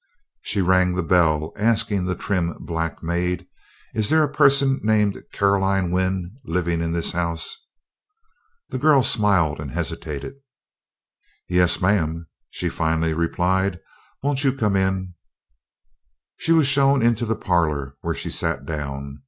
She rang the bell, asking the trim black maid: "Is there a person named Caroline Wynn living in this house?" The girl smiled and hesitated. "Yes, ma'am," she finally replied. "Won't you come in?" She was shown into the parlor, where she sat down.